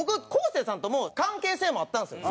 生さんとも関係性もあったんですよ